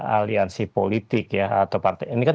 aliansi politik ya atau partai ini kan